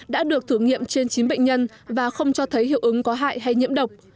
đã được thử nghiệm trên chín bệnh nhân và không cho thấy hiệu ứng có hại hay nhiễm độc